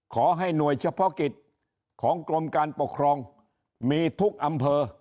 ขอให้หน่วยเฉพาะกิจของกรมการปกครองมีทุกอำเภอ